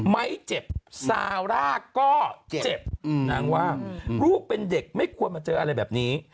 ไม่เจ็บซาร่าก็เจ็บนางว่าลูกเป็นเด็กไม่ควรมาเจออะไรแบบนี้